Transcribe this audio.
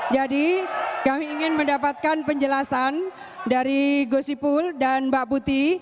jadi kami ingin mendapatkan penjelasan dari gosipul dan mbak buti